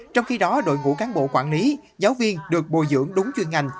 trong khi đó đội ngũ cán bộ quản lý giáo viên được bồi dưỡng đúng chuyên ngành